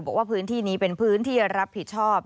บอกว่าพื้นที่นี้เป็นพื้นที่รับผิดชอบ